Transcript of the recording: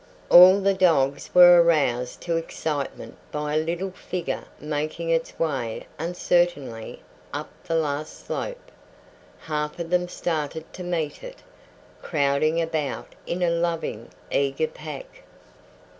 All the dogs were aroused to excitement by a little figure making its way uncertainly up the last slope. Half of them started to meet it, crowding about in a loving, eager pack.